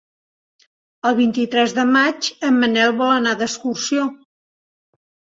El vint-i-tres de maig en Manel vol anar d'excursió.